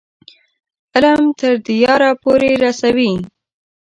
د علم تر دیاره پورې رسوي.